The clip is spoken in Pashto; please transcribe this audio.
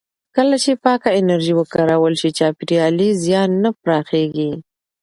کله چې پاکه انرژي وکارول شي، چاپېریالي زیان نه پراخېږي.